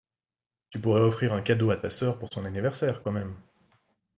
Tu pourrais offrir un cadeau à ta soeur pour son anniversaire quand même.